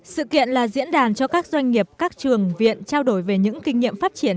sự kiện là diễn đàn cho các doanh nghiệp các trường viện trao đổi về những kinh nghiệm phát triển